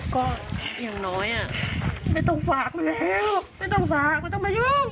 ก็อย่างน้อยไม่ต้องฝากไม่ต้องมายุ่ง